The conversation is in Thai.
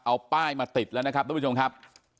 เอาป้ายมาติดแล้วนะครับทุกผู้ชมครับ